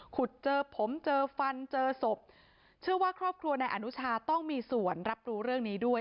ขุดเจอผมเจอฟันเจอศพเชื่อว่าครอบครัวนายอนุชาต้องมีส่วนรับรู้เรื่องนี้ด้วย